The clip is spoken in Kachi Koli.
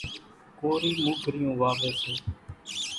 ڪورِي موُگھريئون واويَ سي۔